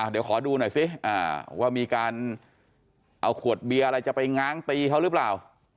เดี๋ยวขอดูหน่อยซิว่ามีการเอาขวดเบียร์อะไรจะไปง้างตีเขาหรือเปล่า